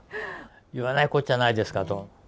言わないこっちゃないですかと。